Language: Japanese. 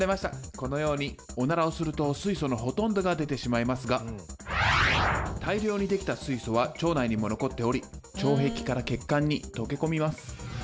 このようにオナラをすると水素のほとんどが出てしまいますが大量に出来た水素は腸内にも残っており腸壁から血管に溶け込みます。